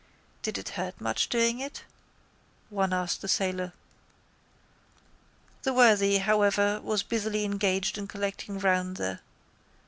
—Did it hurt much doing it? one asked the sailor. That worthy, however, was busily engaged in collecting round the.